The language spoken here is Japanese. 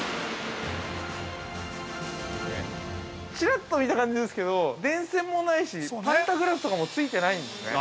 ◆ちらっと見た感じですけど電線もないしパンタグラフとかもついてないんですね。